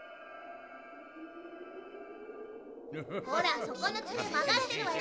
ほらそこのつくえまがってるわよ。